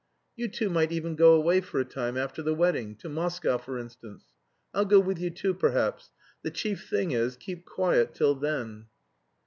You two might even go away for a time after the wedding, to Moscow, for instance. I'll go with you, too, perhaps... The chief thing is, keep quiet till then."